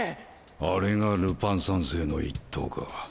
あれがルパン三世の一党か。